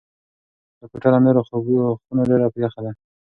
دا کوټه له نورو خونو ډېره یخه ده.